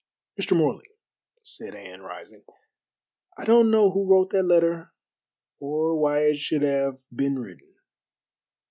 "Mr. Morley," said Anne, rising, "I don't know who wrote that letter, or why it should have been written.